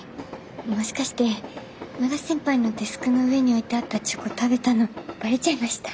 もしかして永瀬先輩のデスクの上に置いてあったチョコ食べたのバレちゃいました？